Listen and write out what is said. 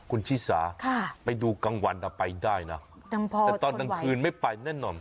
คุณชิสาค่ะไปดูกลางวันอ่ะไปได้น่ะดังพอแต่ตอนดังคืนไม่ไปแน่นอน